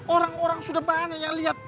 orang orang sudah banyak yang lihat